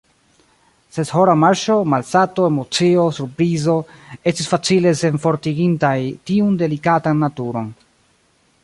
Seshora marŝo, malsato, emocio, surprizo, estis facile senfortigintaj tiun delikatan naturon.